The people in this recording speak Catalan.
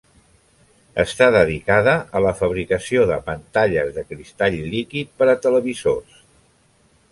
Està dedicada a la fabricació de pantalles de cristall líquid per a televisors.